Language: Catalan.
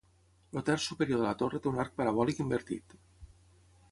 El terç superior de la torre té un arc parabòlic invertit.